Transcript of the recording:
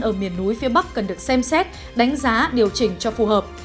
ở miền núi phía bắc cần được xem xét đánh giá điều chỉnh cho phù hợp